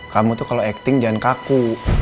kamu tuh kalau acting jangan kaku